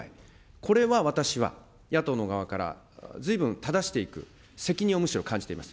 これは私は野党の側から、ずいぶん、ただしていく、責任をむしろ感じています。